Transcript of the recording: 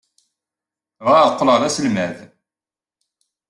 Bɣiɣ ad qqleɣ d aselmad.